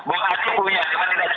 bang andi sepertinya sudah punya